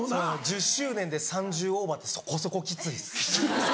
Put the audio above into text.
１０周年で３０オーバーってそこそこきついっす。